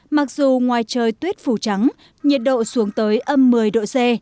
mặc dù ngoài trời tuyết phủ trắng nhiệt độ xuống tới âm một mươi độ c